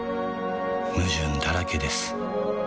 矛盾だらけです